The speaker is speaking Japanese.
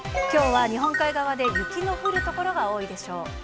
きょうは日本海側で雪の降る所が多いでしょう。